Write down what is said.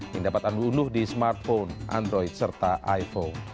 yang dapat anda unuh di smartphone android serta iphone